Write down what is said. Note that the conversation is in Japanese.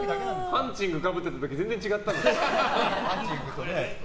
ハンチングかぶってた時全然違った。